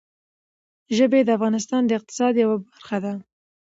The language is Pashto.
ژبې د افغانستان د اقتصاد یوه برخه ده.